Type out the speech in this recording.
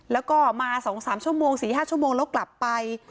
แล้วก็มาสองสามชั่วโมงสี่ห้าชั่วโมงแล้วกลับไป